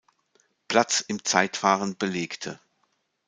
Platz im Zeitfahren belegte.